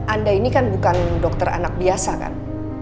anda ini kan bukan dokter anak biasa kan